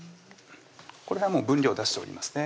これはもう分量出しておりますね